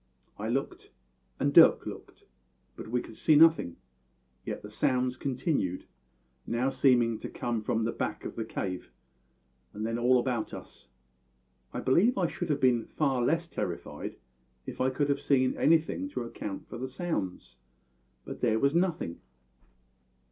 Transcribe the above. I looked, and Dirk looked, but we could see nothing; yet the sounds continued, now seeming to come from the back of the cave, and then all about us. I believe I should have been far less terrified if I could have seen anything to account for the sounds; but there was nothing.